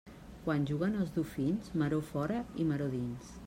Quan juguen els dofins, maror fora i maror dins.